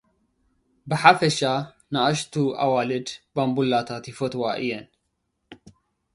ብሓፈሻ፡ ንኣሽቱ ኣዋልድ፡ ባንቡላታት ይፍትዋ እየን።